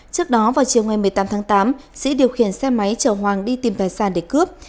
trước đó vào chiều ngày một mươi tám tháng tám sĩ điều khiển xe máy chở hoàng đi tìm tài sản để cướp